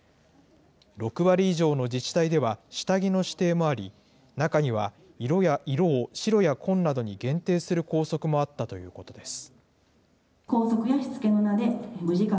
６割以上の自治体では下着の指定もあり、中には色を白や紺などに限定する校則もあったということです。